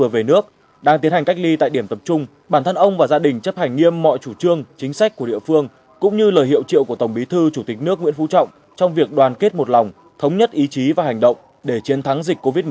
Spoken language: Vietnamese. về nước đang tiến hành cách ly tại điểm tập trung bản thân ông và gia đình chấp hành nghiêm mọi chủ trương chính sách của địa phương cũng như lời hiệu triệu của tổng bí thư chủ tịch nước nguyễn phú trọng trong việc đoàn kết một lòng thống nhất ý chí và hành động để chiến thắng dịch covid một mươi chín